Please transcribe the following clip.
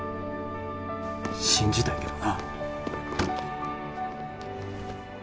信じたいけどな。